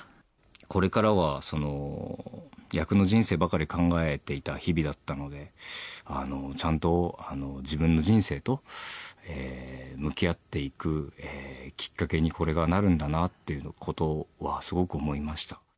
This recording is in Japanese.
これからは役の人生ばかり考えていた日々だったので、ちゃんと自分の人生と向き合っていくきっかけに、これがなるんだなっていうことは、すごく思いました。